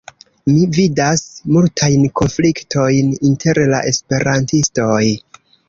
Mi vidas multajn konfliktojn inter la esperantistoj.